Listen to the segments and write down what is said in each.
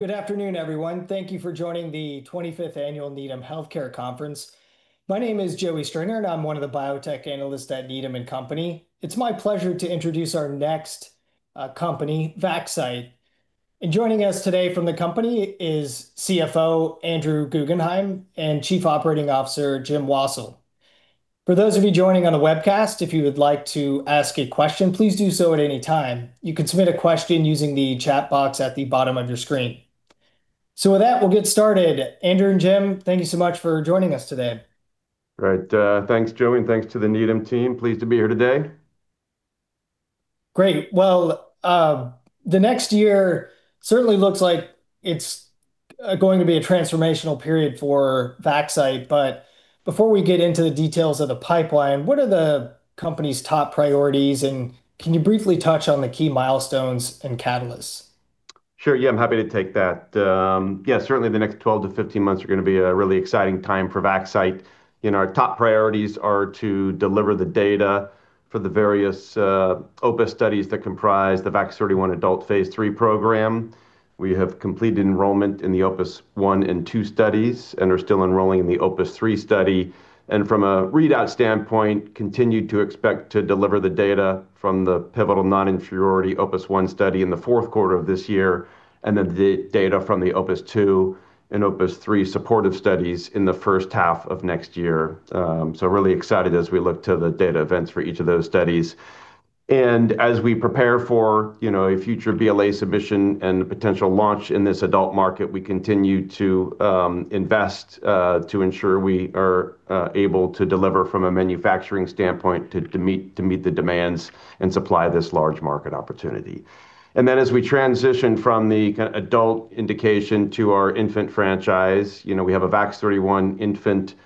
Good afternoon, everyone. Thank you for joining the 25th Annual Needham Healthcare Conference. My name is Joey Stringer, and I'm one of the biotech analysts at Needham & Company. It's my pleasure to introduce our next company, Vaxcyte. Joining us today from the company is CFO Andrew Guggenhime and Chief Operating Officer Jim Wassil. For those of you joining on the webcast, if you would like to ask a question, please do so at any time. You can submit a question using the chat box at the bottom of your screen. With that, we'll get started. Andrew and Jim, thank you so much for joining us today. Right. Thanks, Joey, and thanks to the Needham team. Pleased to be here today. Great. Well, the next year certainly looks like it's going to be a transformational period for Vaxcyte. Before we get into the details of the pipeline, what are the company's top priorities, and can you briefly touch on the key milestones and catalysts? Sure. Yeah, I'm happy to take that. Yeah, certainly the next 12-15 months are going to be a really exciting time for Vaxcyte. Our top priorities are to deliver the data for the various OPUS studies that comprise the VAX-31 adult Phase III program. We have completed enrollment in the OPUS 1 and 2 studies and are still enrolling in the OPUS 3 study. And from a readout standpoint, continue to expect to deliver the data from the pivotal non-inferiority OPUS 1 study in the fourth quarter of this year, and then the data from the OPUS 2 and OPUS 3 supportive studies in the first half of next year. So really excited as we look to the data events for each of those studies. As we prepare for a future BLA submission and a potential launch in this adult market, we continue to invest to ensure we are able to deliver from a manufacturing standpoint to meet the demands and supply this large market opportunity. As we transition from the adult indication to our infant franchise, we have a VAX-31 infant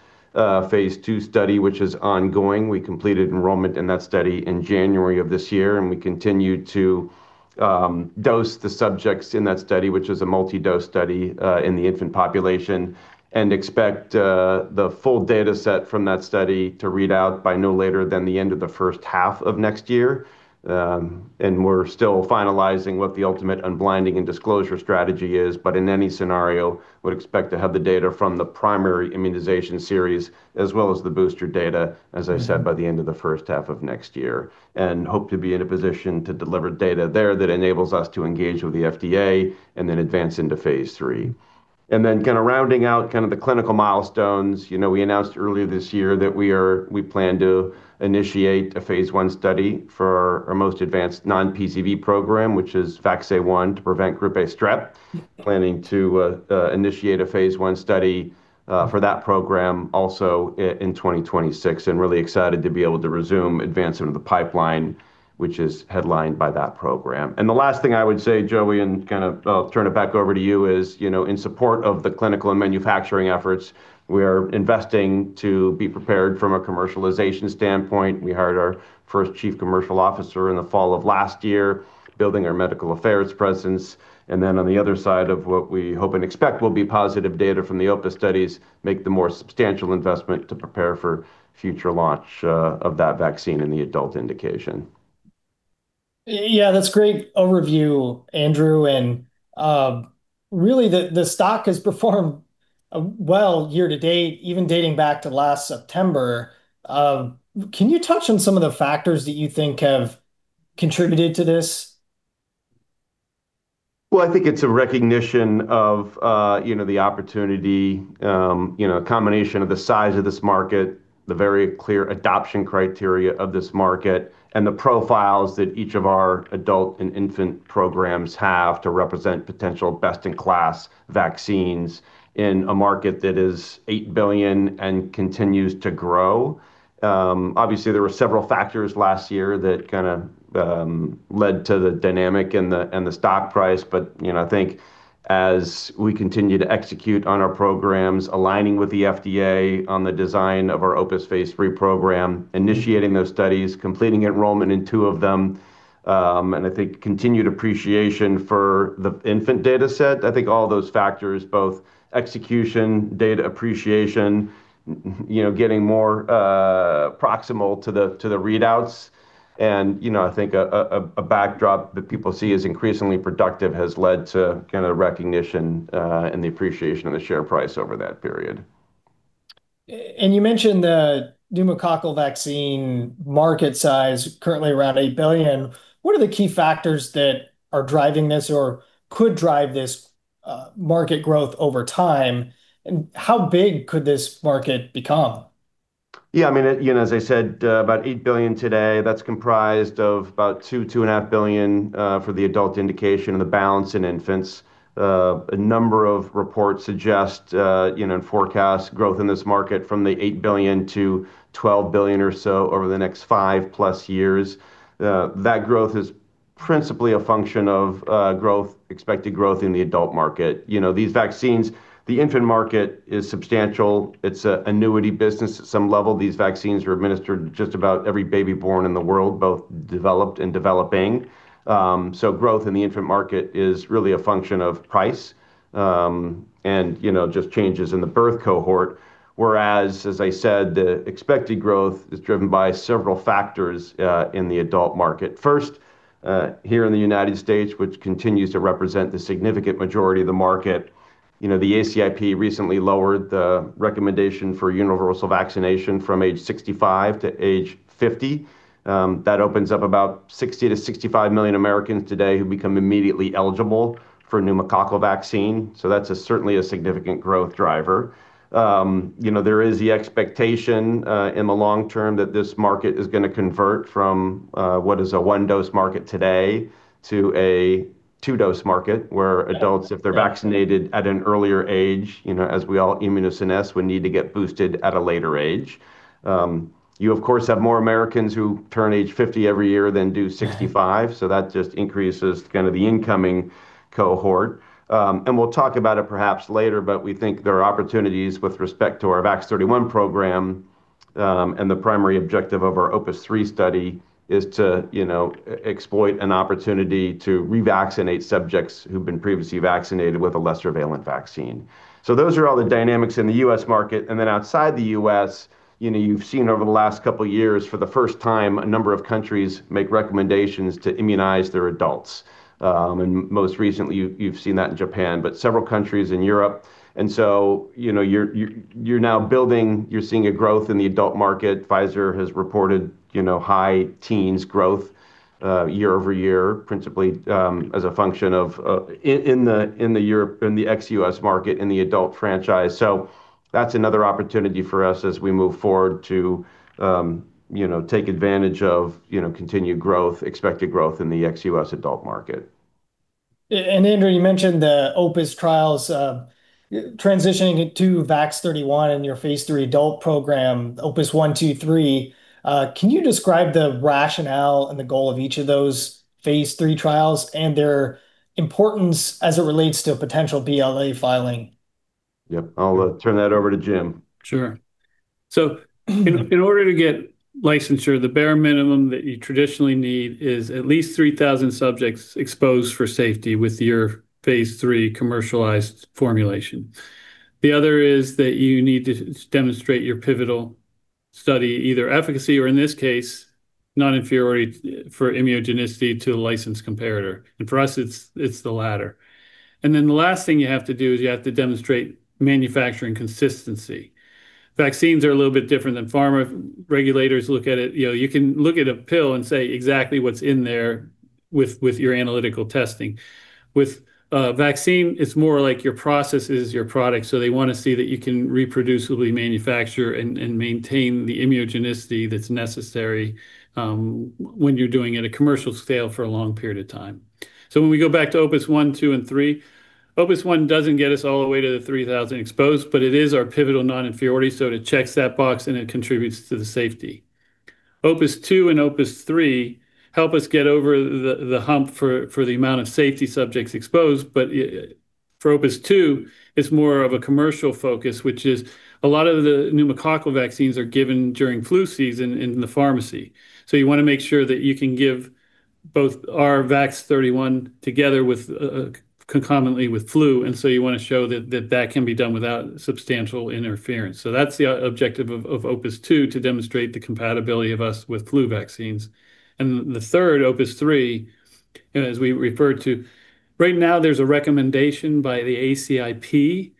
phase II study, which is ongoing. We completed enrollment in that study in January of this year, and we continue to dose the subjects in that study, which is a multi-dose study, in the infant population, and expect the full data set from that study to read out by no later than the end of the first half of next year. We're still finalizing what the ultimate unblinding and disclosure strategy is. In any scenario, we would expect to have the data from the primary immunization series as well as the booster data, as I said, by the end of the first half of next year, and hope to be in a position to deliver data there that enables us to engage with the FDA and then advance into phase III. Rounding out the clinical milestones, we announced earlier this year that we plan to initiate a phase I study for our most advanced non-PCV program, which is VAX-A1, to prevent group A strep. We are planning to initiate a phase I study for that program also in 2026, and really excited to be able to resume advancement of the pipeline, which is headlined by that program. The last thing I would say, Joey, and I'll turn it back over to you is, in support of the clinical and manufacturing efforts, we are investing to be prepared from a commercialization standpoint. We hired our first Chief Commercial Officer in the fall of last year, building our medical affairs presence, and then on the other side of what we hope and expect will be positive data from the OPUS studies, make the more substantial investment to prepare for future launch of that vaccine in the adult indication. Yeah, that's great overview, Andrew. Really, the stock has performed well year-to-date, even dating back to last September. Can you touch on some of the factors that you think have contributed to this? Well, I think it's a recognition of the opportunity, a combination of the size of this market, the very clear adoption criteria of this market, and the profiles that each of our adult and infant programs have to represent potential best-in-class vaccines in a market that is $8 billion and continues to grow. Obviously, there were several factors last year that led to the dynamic and the stock price. I think as we continue to execute on our programs, aligning with the FDA on the design of our OPUS phase III program, initiating those studies, completing enrollment in two of them, and I think continued appreciation for the infant data set. I think all those factors, both execution, data appreciation, getting more proximal to the readouts, and I think a backdrop that people see as increasingly productive has led to recognition and the appreciation of the share price over that period. You mentioned the pneumococcal vaccine market size, currently around $8 billion. What are the key factors that are driving this or could drive this market growth over time, and how big could this market become? Yeah, as I said, about $8 billion today. That's comprised of about $2 and a half billion for the adult indication and the balance in infants. A number of reports suggest and forecast growth in this market from the $8 billion-$12 billion or so over the next 5+ years. That growth is principally a function of expected growth in the adult market. These vaccines, the infant market is substantial. It's an annuity business. At some level, these vaccines are administered to just about every baby born in the world, both developed and developing. Growth in the infant market is really a function of price and just changes in the birth cohort, whereas, as I said, the expected growth is driven by several factors in the adult market. First, here in the U.S., which continues to represent the significant majority of the market, the ACIP recently lowered the recommendation for universal vaccination from age 65 to age 50. That opens up about 60 million-65 million Americans today who become immediately eligible for pneumococcal vaccine. That's certainly a significant growth driver. There is the expectation in the long term that this market is going to convert from what is a one-dose market today to a two-dose market, where adults, if they're vaccinated at an earlier age, as we all immunosenesce, would need to get boosted at a later age. You of course have more Americans who turn age 50 every year than do 65, so that just increases the incoming cohort. We'll talk about it perhaps later, but we think there are opportunities with respect to our VAX-31 program, and the primary objective of our OPUS 3 study is to exploit an opportunity to revaccinate subjects who've been previously vaccinated with a less prevalent vaccine. Those are all the dynamics in the U.S. market. Outside the U.S., you've seen over the last couple of years, for the first time, a number of countries make recommendations to immunize their adults. Most recently, you've seen that in Japan, but several countries in Europe. You're now building, you're seeing a growth in the adult market. Pfizer has reported high-teens growth year-over-year, principally as a function in the ex-U.S. market in the adult franchise. That's another opportunity for us as we move forward to take advantage of continued growth, expected growth in the ex-U.S. adult market. Andrew, you mentioned the OPUS trials transitioning to VAX-31 in your phase III adult program, OPUS 1, 2, 3. Can you describe the rationale and the goal of each of those phase III trials and their importance as it relates to a potential BLA filing? Yep. I'll turn that over to Jim. Sure. In order to get licensure, the bare minimum that you traditionally need is at least 3,000 subjects exposed for safety with your phase III commercialized formulation. The other is that you need to demonstrate your pivotal study, either efficacy or in this case, non-inferiority for immunogenicity to a licensed comparator. For us, it's the latter. The last thing you have to do is you have to demonstrate manufacturing consistency. Vaccines are a little bit different than pharma. Regulators look at it. You can look at a pill and say exactly what's in there with your analytical testing. With a vaccine, it's more like your process is your product, so they want to see that you can reproducibly manufacture and maintain the immunogenicity that's necessary when you're doing it at commercial scale for a long period of time. When we go back to OPUS 1, 2, and 3, OPUS 1 doesn't get us all the way to the 3,000 exposed, but it is our pivotal non-inferiority, so it checks that box and it contributes to the safety. OPUS 2 and OPUS 3 help us get over the hump for the amount of safety subjects exposed. For OPUS 2, it's more of a commercial focus, which is a lot of the pneumococcal vaccines are given during flu season in the pharmacy. You want to make sure that you can give both our VAX-31 together concomitantly with flu, and so you want to show that that can be done without substantial interference. That's the objective of OPUS 2, to demonstrate the compatibility of us with flu vaccines. And the third, OPUS 3, as we referred to, right now, there's a recommendation by the ACIP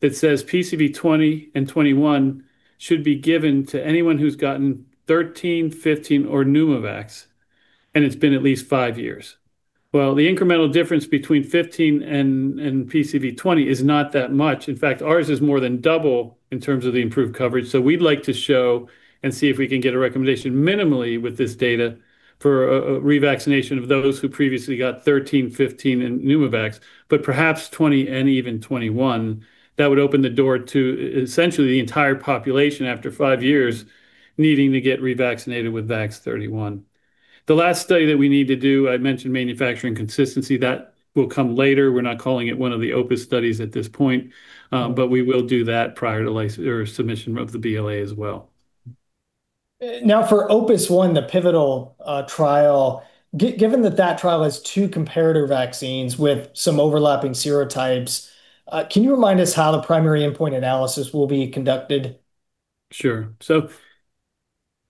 that says PCV20 and 21 should be given to anyone who's gotten 13, 15, or Pneumovax, and it's been at least five years. Well, the incremental difference between 15 and PCV20 is not that much. In fact, ours is more than double in terms of the improved coverage. So we'd like to show and see if we can get a recommendation minimally with this data for revaccination of those who previously got 13, 15, and Pneumovax, but perhaps 20 and even 21. That would open the door to essentially the entire population after five years needing to get revaccinated with VAX31. The last study that we need to do, I mentioned manufacturing consistency, that will come later. We're not calling it one of the OPUS studies at this point, but we will do that prior to submission of the BLA as well. Now for OPUS 1, the pivotal trial, given that that trial has two comparator vaccines with some overlapping serotypes, can you remind us how the primary endpoint analysis will be conducted? Sure.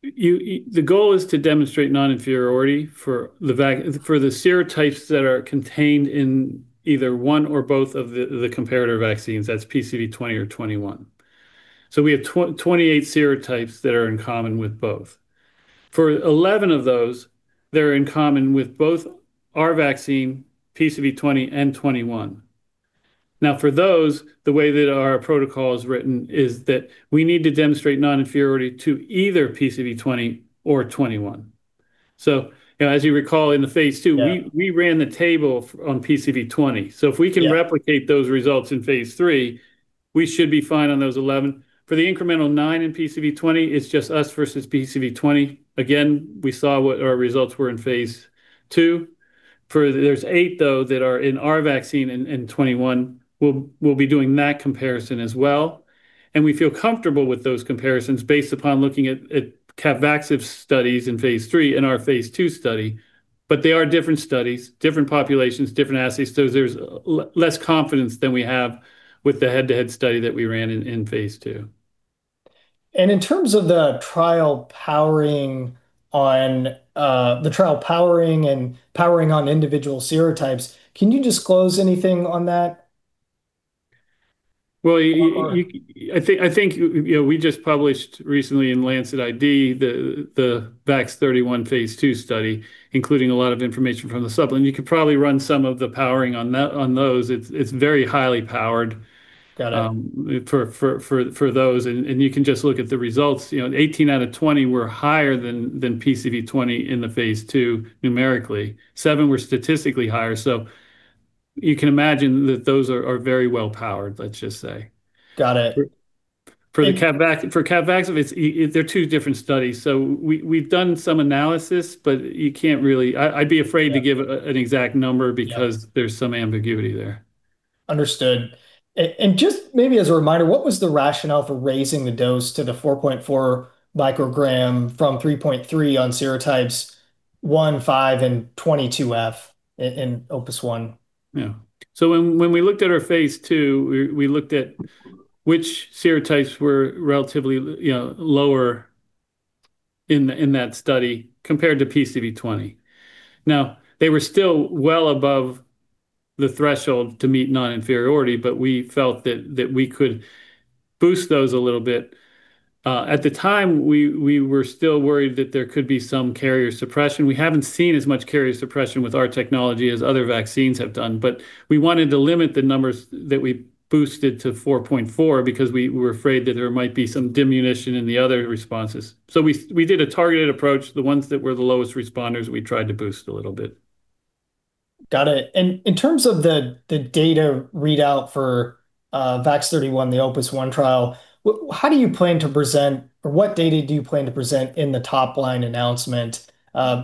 The goal is to demonstrate non-inferiority for the serotypes that are contained in either one or both of the comparator vaccines, that's PCV20 or 21. We have 28 serotypes that are in common with both. For 11 of those, they're in common with both our vaccine, PCV20 and 21. Now, for those, the way that our protocol is written is that we need to demonstrate non-inferiority to either PCV20 or 21. As you recall in the phase II. Yeah We ran the table on PCV20. Yeah. If we can replicate those results in phase III, we should be fine on those 11. For the incremental nine in PCV20, it's just us versus PCV20. Again, we saw what our results were in phase II. There's eight, though, that are in our vaccine in 21. We'll be doing that comparison as well. We feel comfortable with those comparisons based upon looking at CAPVAXIVE studies in phase III and our phase II study. They are different studies, different populations, different assays. There's less confidence than we have with the head-to-head study that we ran in phase II. In terms of the trial powering and powering on individual serotypes, can you disclose anything on that? Well, I think we just published recently in Lancet ID the VAX-31 phase II study, including a lot of information from the supplement. You could probably run some of the powering on those. It's very highly powered. Got it. For those. You can just look at the results. 18 out of 20 were higher than PCV20 in the phase II numerically. Seven were statistically higher. You can imagine that those are very well powered, let's just say. Got it. For CAPVAXIVE, they're two different studies. We've done some analysis, but I'd be afraid to give an exact number because there's some ambiguity there. Understood. Just maybe as a reminder, what was the rationale for raising the dose to the 4.4 microgram from 3.3 micrograms on serotypes one, five, and 22F in OPUS 1? Yeah. When we looked at our phase II, we looked at which serotypes were relatively lower in that study compared to PCV20. Now, they were still well above the threshold to meet non-inferiority, but we felt that we could boost those a little bit. At the time, we were still worried that there could be some carrier suppression. We haven't seen as much carrier suppression with our technology as other vaccines have done, but we wanted to limit the numbers that we boosted to 4.4 micrograms because we were afraid that there might be some diminution in the other responses. We did a targeted approach. The ones that were the lowest responders, we tried to boost a little bit. Got it. In terms of the data readout for VAX-31, the OPUS 1 trial, how do you plan to present or what data do you plan to present in the top-line announcement?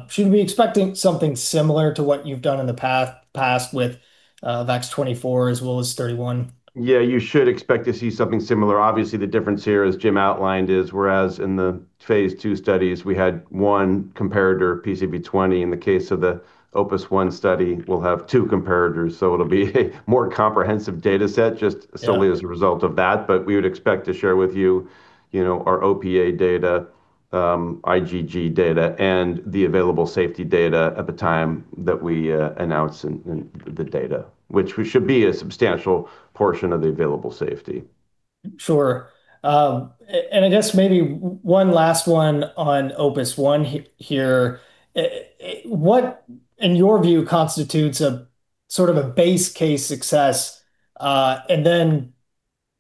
Should we be expecting something similar to what you've done in the past with VAX-24 as well as 31? Yeah, you should expect to see something similar. Obviously, the difference here, as Jim outlined is, whereas in the phase II studies, we had one comparator PCV20, in the case of the OPUS 1 study, we'll have two comparators. It'll be a more comprehensive data set just solely as a result of that. We would expect to share with you our OPA data, IgG data, and the available safety data at the time that we announce the data, which we should be a substantial portion of the available safety. Sure. I guess maybe one last one on OPUS 1 here. What, in your view, constitutes a sort of a base case success?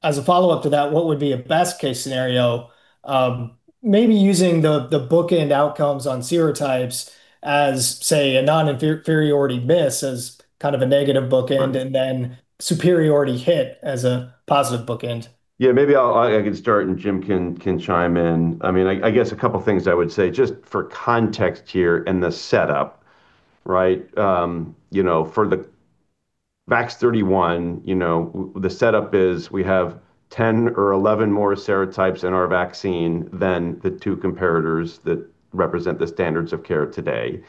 As a follow-up to that, what would be a best case scenario? Maybe using the bookend outcomes on serotypes as, say, a non-inferiority miss as kind of a negative bookend, and then superiority hit as a positive bookend. Yeah, maybe I can start, and Jim can chime in. I guess a couple things I would say just for context here and the setup. For the VAX-31, the setup is we have 10 or 11 more serotypes in our vaccine than the two comparators that represent the standards of care today.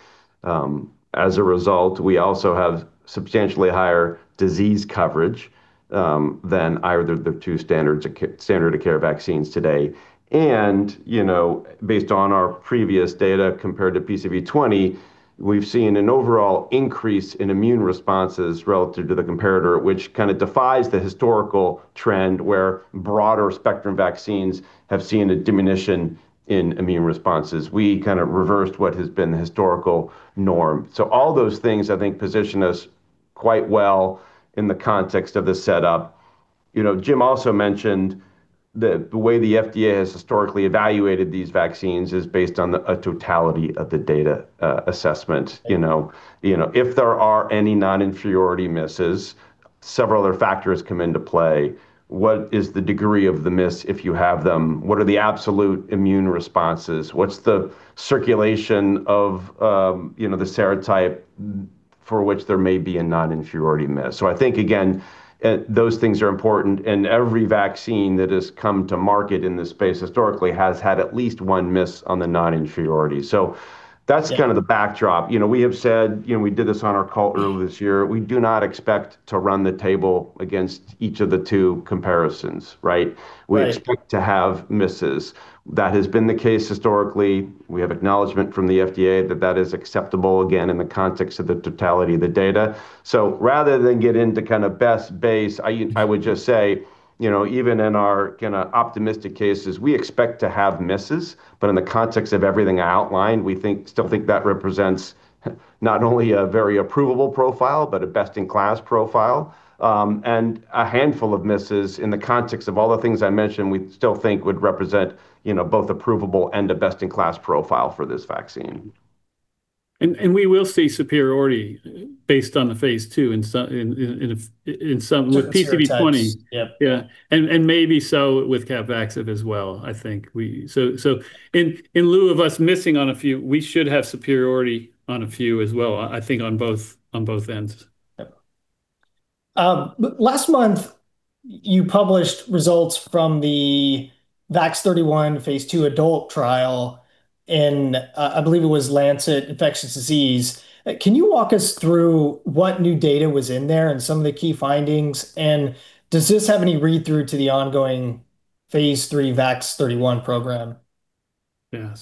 As a result, we also have substantially higher disease coverage than either of the two standard of care vaccines today. Based on our previous data compared to PCV20, we've seen an overall increase in immune responses relative to the comparator, which kind of defies the historical trend where broader spectrum vaccines have seen a diminution in immune responses. We kind of reversed what has been the historical norm. All those things I think position us quite well in the context of the setup. Jim also mentioned the way the FDA has historically evaluated these vaccines is based on a totality of the data assessment. If there are any non-inferiority misses, several other factors come into play. What is the degree of the miss if you have them? What are the absolute immune responses? What's the circulation of the serotype for which there may be a non-inferiority miss? I think, again, those things are important, and every vaccine that has come to market in this space historically has had at least one miss on the non-inferiority. That's kind of the backdrop. We have said, we did this on our call earlier this year, we do not expect to run the table against each of the two comparisons, right? Right. We expect to have misses. That has been the case historically. We have acknowledgement from the FDA that that is acceptable, again, in the context of the totality of the data. Rather than get into kind of base case, I would just say, even in our kind of optimistic cases, we expect to have misses. In the context of everything I outlined, we still think that represents not only a very approvable profile, but a best-in-class profile. A handful of misses in the context of all the things I mentioned, we still think would represent both approvable and a best-in-class profile for this vaccine. We will see superiority based on the phase II in some. With serotypes. With PCV20. Yep. Yeah. Maybe so with CAPVAXIVE as well, I think. In lieu of us missing on a few, we should have superiority on a few as well, I think on both ends. Yep. Last month, you published results from the VAX-31 phase II adult trial in, I believe it was Lancet Infectious Diseases. Can you walk us through what new data was in there and some of the key findings? Does this have any read-through to the ongoing phase III VAX-31 program? Yeah.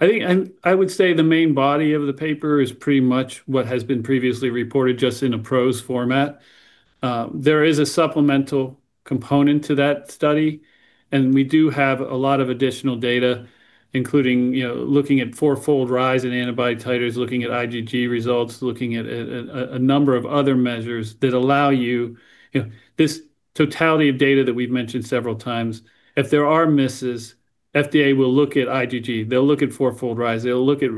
I think I would say the main body of the paper is pretty much what has been previously reported, just in a prose format. There is a supplemental component to that study, and we do have a lot of additional data, including looking at four-fold rise in antibody titers, looking at IgG results, looking at a number of other measures. This totality of data that we've mentioned several times, if there are misses, FDA will look at IgG, they'll look at four-fold rise, they'll look at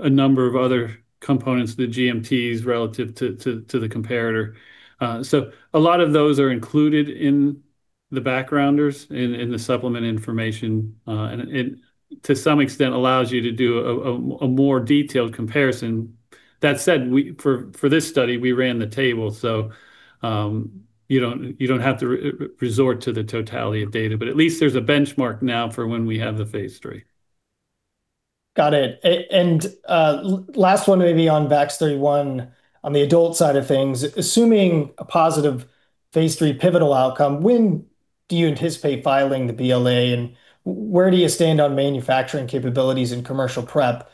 a number of other components, the GMTs, relative to the comparator. A lot of those are included in the backgrounders, in the supplement information, and it to some extent allows you to do a more detailed comparison. That said, for this study, we ran the table, so you don't have to resort to the totality of data. At least there's a benchmark now for when we have the phase III. Got it. Last one maybe on VAX-31, on the adult side of things, assuming a positive phase III pivotal outcome, when do you anticipate filing the BLA, and where do you stand on manufacturing capabilities and commercial prep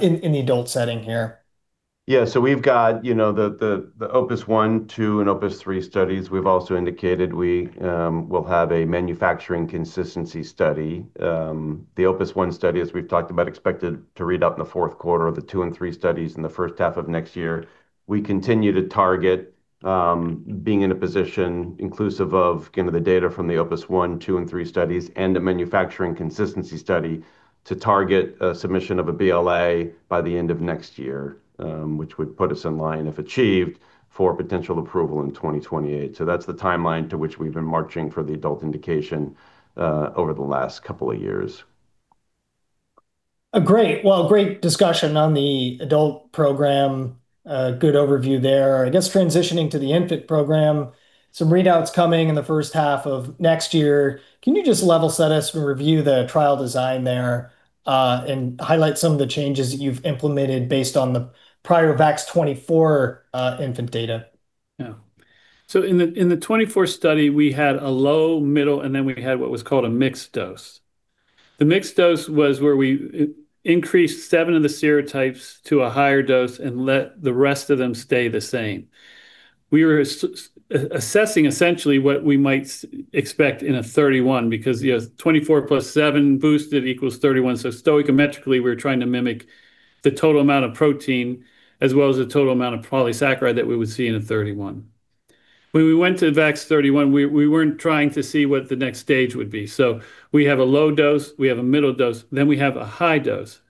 in the adult setting here? Yeah. We've got the OPUS 1, 2 and OPUS 3 studies. We've also indicated we will have a manufacturing consistency study. The OPUS 1 study, as we've talked about, expected to read out in the fourth quarter, the 2 and 3 studies in the first half of next year. We continue to target being in a position inclusive of the data from the OPUS 1, 2 and 3 studies, and a manufacturing consistency study to target a submission of a BLA by the end of next year, which would put us in line, if achieved, for potential approval in 2028. That's the timeline to which we've been marching for the adult indication over the last couple of years. Great. Well, great discussion on the adult program. Good overview there. I guess transitioning to the infant program, some readouts coming in the first half of next year. Can you just level set us and review the trial design there, and highlight some of the changes that you've implemented based on the prior VAX-24 infant data? Yeah. In the 24 study, we had a low, middle, and then we had what was called a mixed dose. The mixed dose was where we increased seven of the serotypes to a higher dose and let the rest of them stay the same. We were assessing essentially what we might expect in a 31, because 24 plus seven boosted equals 31. Stoichiometrically, we were trying to mimic the total amount of protein as well as the total amount of polysaccharide that we would see in a 31. When we went to VAX-31, we weren't trying to see what the next stage would be. We have a low dose, we have a middle dose, then we have a high dose.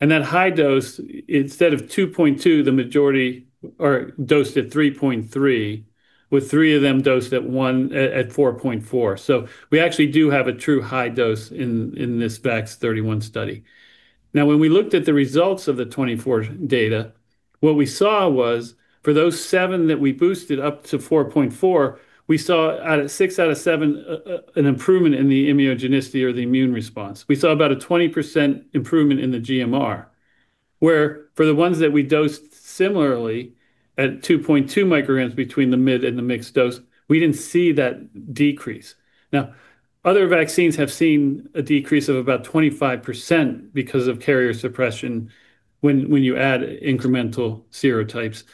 That high dose, instead of 2.2, the majority are dosed at 3.3, with three of them dosed at 4.4. We actually do have a true high dose in this VAX-31 study. Now, when we looked at the results of the 24 data, what we saw was for those seven that we boosted up to 4.4, we saw six out of seven an improvement in the immunogenicity or the immune response. We saw about a 20% improvement in the GMR, where for the ones that we dosed similarly at 2.2 micrograms between the mid and the mixed dose, we didn't see that decrease. Now, other vaccines have seen a decrease of about 25% because of carrier suppression when you add incremental serotypes.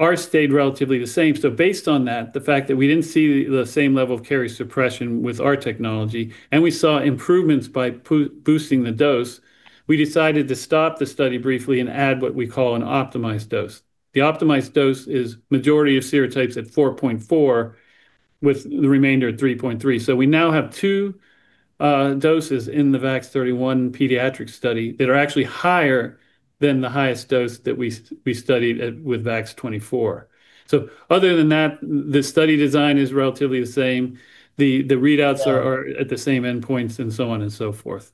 Ours stayed relatively the same. Based on that, the fact that we didn't see the same level of carrier suppression with our technology and we saw improvements by boosting the dose, we decided to stop the study briefly and add what we call an optimized dose. The optimized dose is majority of serotypes at 4.4 with the remainder at 3.3. We now have two doses in the VAX-31 pediatric study that are actually higher than the highest dose that we studied with VAX-24. Other than that, the study design is relatively the same. The readouts are at the same endpoints and so on and so forth.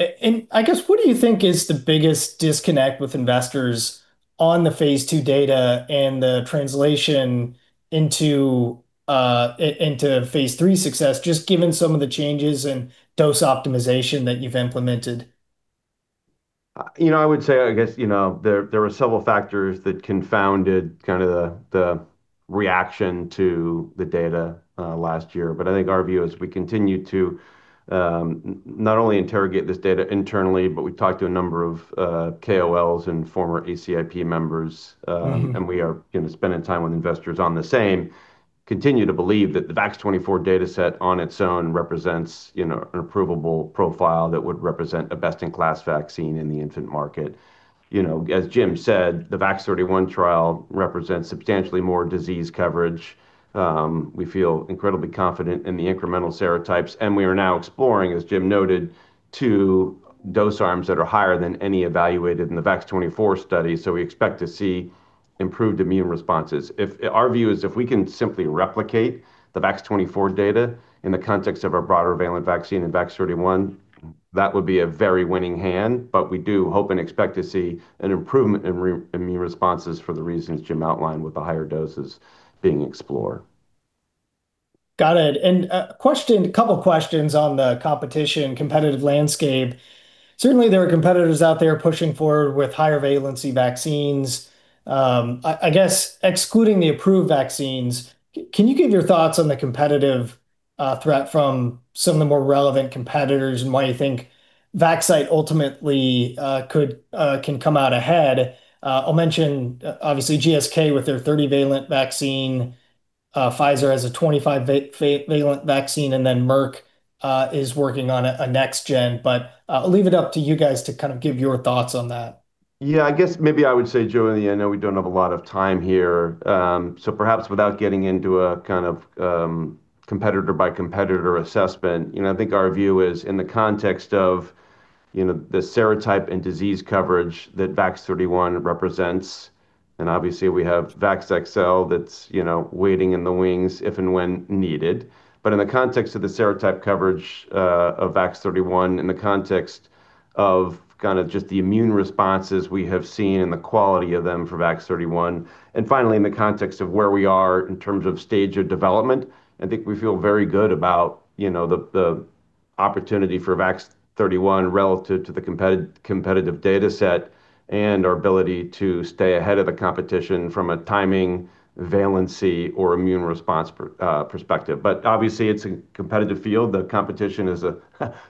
I guess, what do you think is the biggest disconnect with investors on the phase II data and the translation into phase III success, just given some of the changes in dose optimization that you've implemented? I would say, I guess, there are several factors that confounded the reaction to the data last year. I think our view is we continue to not only interrogate this data internally, but we've talked to a number of KOLs and former ACIP members, and we are spending time with investors on the same, continue to believe that the VAX-24 data set on its own represents an approvable profile that would represent a best-in-class vaccine in the infant market. As Jim said, the VAX-31 trial represents substantially more disease coverage. We feel incredibly confident in the incremental serotypes, and we are now exploring, as Jim noted, two dose arms that are higher than any evaluated in the VAX-24 study. We expect to see improved immune responses. Our view is if we can simply replicate the VAX-24 data in the context of our broader-valent vaccine in VAX-31, that would be a very winning hand. We do hope and expect to see an improvement in immune responses for the reasons Jim outlined with the higher doses being explored. Got it. A couple of questions on the competition, competitive landscape. Certainly, there are competitors out there pushing forward with higher valency vaccines. I guess excluding the approved vaccines, can you give your thoughts on the competitive threat from some of the more relevant competitors and why you think Vaxcyte ultimately can come out ahead? I'll mention obviously GSK with their 30-valent vaccine. Pfizer has a 25-valent vaccine, and then Merck is working on a next-gen, but I'll leave it up to you guys to kind of give your thoughts on that. Yeah, I guess maybe I would say, Joey, I know we don't have a lot of time here, so perhaps without getting into a kind of competitor-by-competitor assessment, I think our view is in the context of the serotype and disease coverage that VAX-31 represents, and obviously we have VAX-XL that's waiting in the wings if and when needed. In the context of the serotype coverage of VAX-31, in the context of kind of just the immune responses we have seen and the quality of them for VAX-31, and finally, in the context of where we are in terms of stage of development, I think we feel very good about the opportunity for VAX-31 relative to the competitive data set and our ability to stay ahead of the competition from a timing, valency or immune response perspective. Obviously it's a competitive field. The competition is a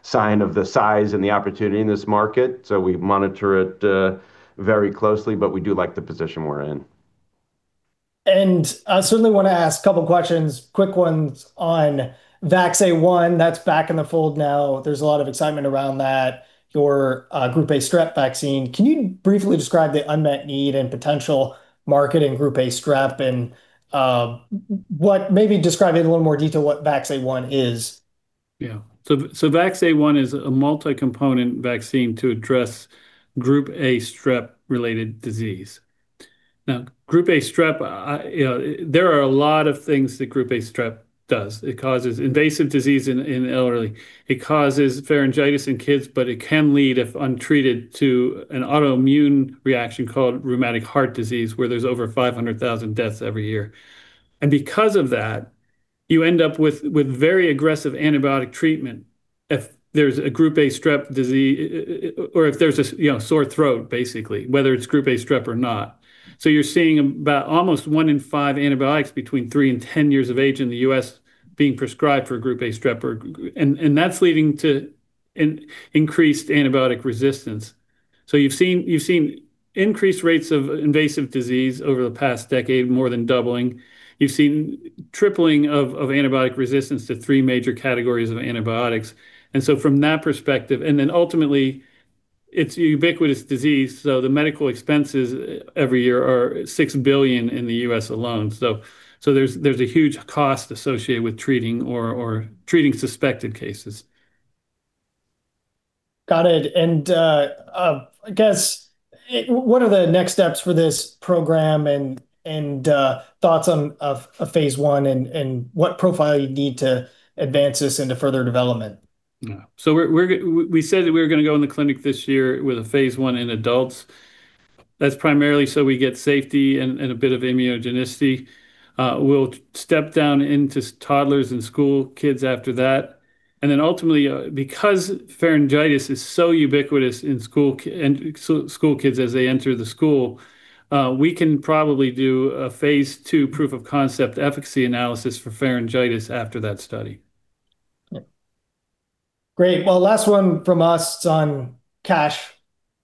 sign of the size and the opportunity in this market. We monitor it very closely. We do like the position we're in. I certainly want to ask a couple questions, quick ones on VAX-A1, that's back in the fold now. There's a lot of excitement around that, your group A strep vaccine. Can you briefly describe the unmet need and potential market in group A strep and maybe describe in a little more detail what VAX-A1 is? Yeah. VAX-A1 is a multicomponent vaccine to address group A strep related disease. Now, group A strep, there are a lot of things that group A strep does. It causes invasive disease in elderly, it causes pharyngitis in kids, but it can lead, if untreated, to an autoimmune reaction called rheumatic heart disease, where there's over 500,000 deaths every year. Because of that, you end up with very aggressive antibiotic treatment if there's a group A strep disease or if there's a sore throat, basically, whether it's group A strep or not. You're seeing about almost one in five antibiotics between three and 10 years of age in the U.S. being prescribed for group A strep, and that's leading to increased antibiotic resistance. You've seen increased rates of invasive disease over the past decade, more than doubling. You've seen tripling of antibiotic resistance to three major categories of antibiotics. From that perspective, and then ultimately it's a ubiquitous disease, so the medical expenses every year are $6 billion in the U.S. alone. There's a huge cost associated with treating suspected cases. Got it. I guess, what are the next steps for this program and thoughts of phase I and what profile you need to advance this into further development? We said that we were going to go in the clinic this year with a phase I in adults. That's primarily so we get safety and a bit of immunogenicity. We'll step down into toddlers and school kids after that. Ultimately, because pharyngitis is so ubiquitous in school kids as they enter the school, we can probably do a phase II proof-of-concept efficacy analysis for pharyngitis after that study. Great. Well, last one from us on cash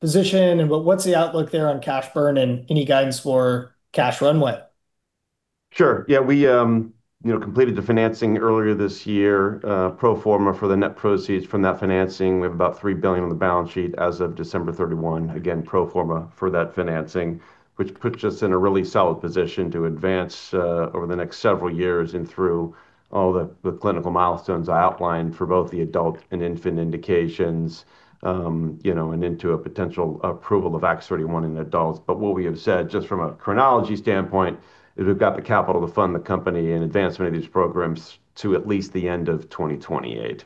position, and what's the outlook there on cash burn and any guidance for cash runway? Sure, yeah. We completed the financing earlier this year. Pro forma for the net proceeds from that financing, we have about $3 billion on the balance sheet as of December 31, again, pro forma for that financing, which puts us in a really solid position to advance over the next several years and through all the clinical milestones I outlined for both the adult and infant indications, and into a potential approval of VAX-31 in adults. What we have said, just from a chronology standpoint, is we've got the capital to fund the company in advancement of these programs to at least the end of 2028.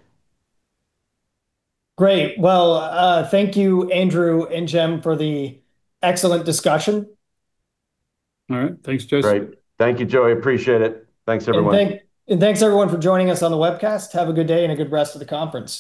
Great. Well, thank you Andrew and Jim for the excellent discussion. All right, thanks, Joey. Great. Thank you, Joey. I appreciate it. Thanks, everyone. And thanks everyone for joining us on the webcast. Have a good day and a good rest of the conference